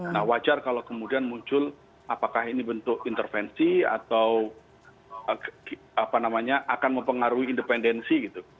nah wajar kalau kemudian muncul apakah ini bentuk intervensi atau apa namanya akan mempengaruhi independensi gitu